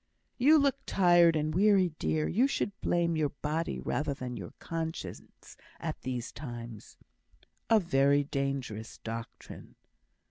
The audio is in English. "You look tired and weary, dear. You should blame your body rather than your conscience at these times." "A very dangerous doctrine."